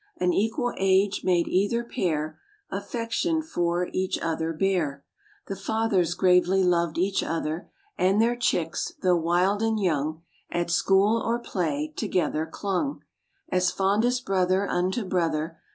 An equal age made either pair Affection for each other bear. The fathers gravely loved each other; And their chicks, though wild and young, At school or play, together clung, As fondest brother unto brother.